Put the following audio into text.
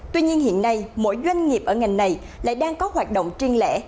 tuy nhiên hiện nay mỗi doanh nghiệp ở ngành này lại đang có hoạt động triên lệch